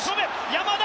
山田！